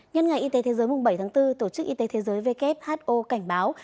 nhân ngày y tế thế giới bảy tháng bốn tổ chức y tế thế giới who cảnh báo